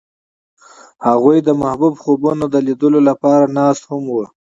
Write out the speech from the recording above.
هغوی د محبوب خوبونو د لیدلو لپاره ناست هم وو.